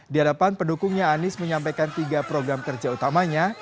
di hadapan pendukungnya anies menyampaikan tiga program kerja utamanya